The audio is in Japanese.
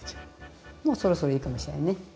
もうそろそろいいかもしれないね。